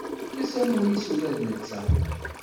Fket-as amur-is ula d netta.